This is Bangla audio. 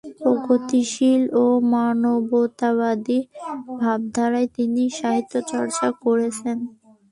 প্রগতিশীল ও মানবতাবাদী ভাবধারায় তিনি সাহিত্যচর্চা করেছেন।